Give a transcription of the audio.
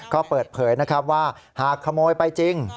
ก็เปิดเผยว่าหากขโมยไปจริง